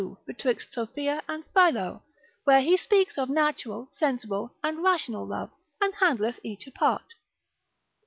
betwixt Sophia and Philo, where he speaks of natural, sensible, and rational love, and handleth each apart.